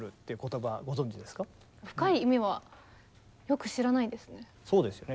深い意味はよく知らないですね。